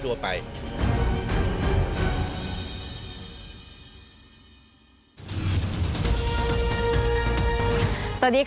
มันไม่ใช่แบบนั้น